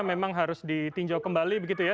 memang harus ditinjau kembali begitu ya